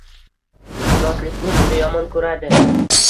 Ifloslikni juda yomon ko‘radi.